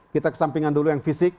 kita kesampingan dulu yang fisik